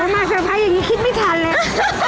มาแฟนแฟนอย่างนี้คิดไม่ทันเลย